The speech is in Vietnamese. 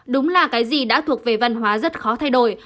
đúng là cái gì đã thuộc về văn hóa rất khó thay đổi